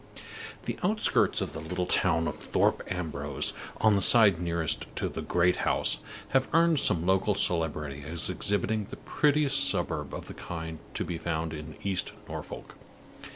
The outskirts of the little town of Thorpe Ambrose, on the side nearest to "the great house," have earned some local celebrity as exhibiting the prettiest suburb of the kind to be found in East Norfolk.